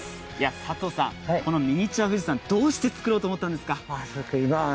ミニチュア富士山、どうして作ろうと思ったんですか。